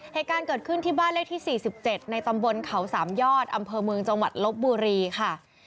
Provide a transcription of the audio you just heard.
เหตุการณ์เกิดขึ้นที่บ้านเลขที่๔๗ในตำบลเขาสามยอดอำเภอเมืองจังหวัดลบบุรีค่ะ